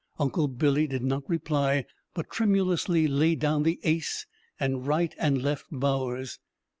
Uncle Billy did not reply, but tremulously laid down the ace and right and left bowers.